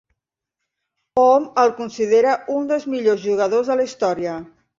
Hom el considera un dels millors jugadors de la història.